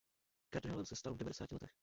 Kardinálem se stal v padesáti letech.